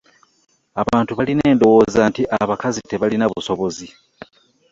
Abantu balina endowooza nti abakazi tebalina busobozi.